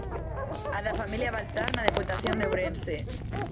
A da familia Baltar na Deputación de Ourense.